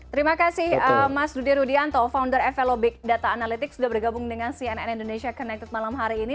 terima kasih mas dudi rudianto founder evelobik data analytic sudah bergabung dengan cnn indonesia connected malam hari ini